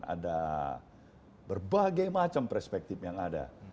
ada berbagai macam perspektif yang ada